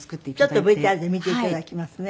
ちょっとＶＴＲで見て頂きますね。